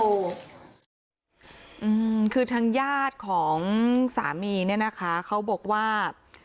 อืมคือทางญาติของสามีเนี่ยนะคะเขาบอกว่า